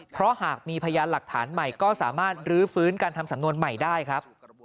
เพราะหากมีพยานหลักฐานใหม่ก็สามารถรื้อฟื้นการทำสำนวนใหม่ได้ครับ